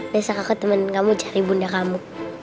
biasa kaku temenin kamu cari bunda kamu